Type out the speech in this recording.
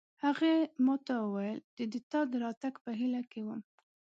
هغې ما ته وویل چې د تا د راتګ په هیله کې وم